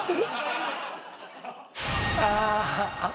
ああ。